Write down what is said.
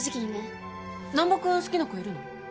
難破君好きな子いるの？